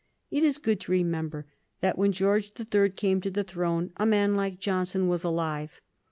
It is good to remember that when George the Third came to the throne a man like Johnson was alive.